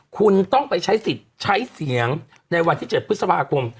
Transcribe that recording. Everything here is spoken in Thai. คุณต้องไปใช้สิทธิ์ใช้เสียงในวันที่๗พฤษภาคม